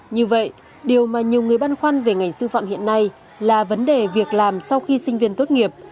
như vậy điều mà nhiều người băn khoăn về ngành sư phạm hiện nay là vấn đề việc làm sau khi sinh viên tốt nghiệp